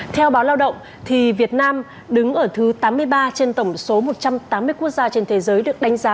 theo báo lao động việt nam đứng ở thứ tám mươi ba trên tổng số một trăm tám mươi quốc gia trên thế giới được đánh giá